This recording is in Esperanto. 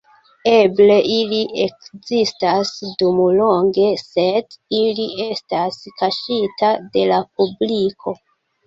Eble ili ekzistas dum longe sed ili estas kaŝita de la publiko.